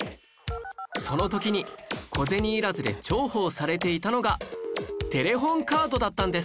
その時に小銭いらずで重宝されていたのがテレホンカードだったんです